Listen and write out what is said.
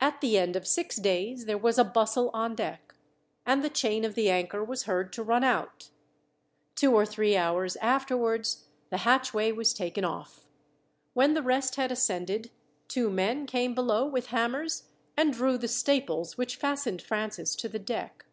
At the end of six days there was a bustle on deck, and the chain of the anchor was heard to run out. Two or three hours afterwards the hatchway was taken off. When the rest had ascended, two men came below with hammers, and drew the staples which fastened Francis to the deck.